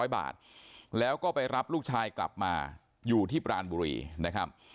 ๐บาทแล้วก็ไปรับลูกชายกลับมาอยู่ที่ปรานบุรีนะครับ